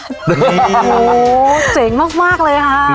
โอ้โหเจ๋งมากเลยค่ะ